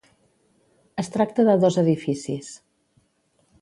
Es tracta de dos edificis.